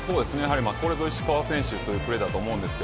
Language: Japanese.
これぞ石川選手というプレーだと思います。